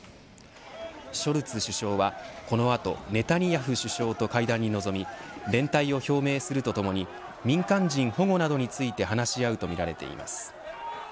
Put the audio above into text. ショルツ首相はこの後ネタニヤフ首相と会談に臨み連帯を表明するとともに民間人保護などについて話し合うとみられています。